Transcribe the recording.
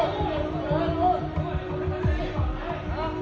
สวัสดีครับ